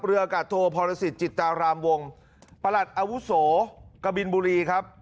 อากาศโทพรสิทธจิตรามวงประหลัดอาวุโสกบินบุรีครับ